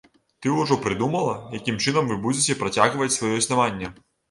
Ты ўжо прыдумала, якім чынам вы будзеце працягваць сваё існаванне?